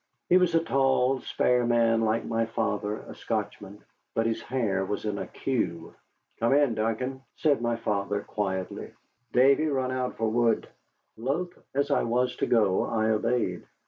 He was a tall, spare man like my father, a Scotchman, but his hair was in a cue. "Come in, Duncan," said my father, quietly. "Davy, run out for wood." Loath as I was to go, I obeyed.